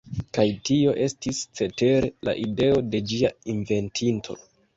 Kaj tio estis, cetere, la ideo de ĝia inventinto.